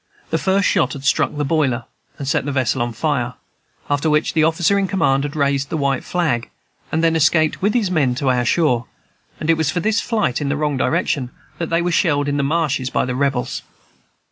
The first shot had struck the boiler, and set the vessel on fire; after which the officer in command had raised a white flag, and then escaped with his men to our shore; and it was for this flight in the wrong direction that they were shelled in the marshes by the Rebels.